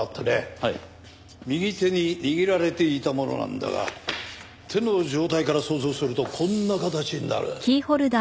右手に握られていたものなんだが手の状態から想像するとこんな形になる。